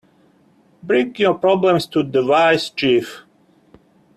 Bring your problems to the wise chief.